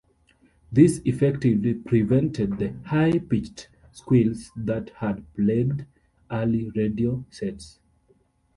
This effectively prevented the high-pitched squeals that had plagued early radio sets.